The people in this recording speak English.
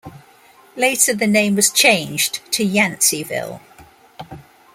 Later, the name was changed to Yanceyville.